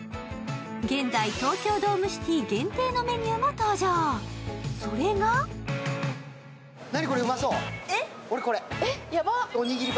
現在東京ドームシティ限定のメニューも登場、それが何、これうまそう、俺これ。